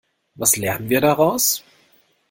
Was lernen wir daraus?